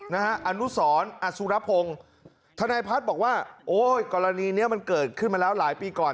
อนุสรอสุรพงศ์ทนายพัฒน์บอกว่าโอ้ยกรณีเนี้ยมันเกิดขึ้นมาแล้วหลายปีก่อน